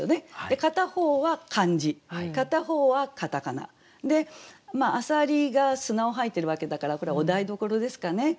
片方は漢字片方は片仮名。で浅蜊が砂を吐いてるわけだからこれはお台所ですかね。